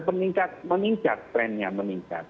meningkat meningkat trendnya meningkat